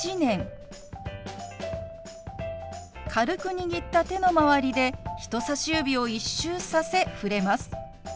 軽く握った手の周りで人さし指を一周させ触れます。